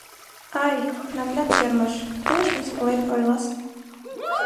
Ай, нагляд чермыш, пеш мыскылен ойлас.